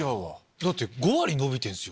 だって５割延びてるんすよ。